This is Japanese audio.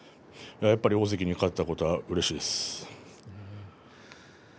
やはり大関に勝ったことは、うれしいです。